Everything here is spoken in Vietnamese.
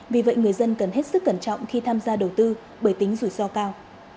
vì vậy người dân cần hết sức cẩn trọng khi tham gia đầu tư bởi tính rủi ro cao